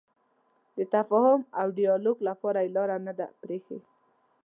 د تفاهم او ډیالوګ لپاره یې لاره نه ده پرېښې.